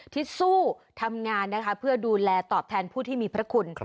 ที่สู้ทำงานนะคะเพื่อดูแลตอบแทนผู้ที่มีพระคุณ